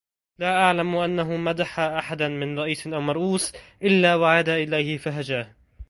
لا أعلم أنه مدح أحداً من رئيس أو مرؤوس، إلا وعاد إليه فهجاه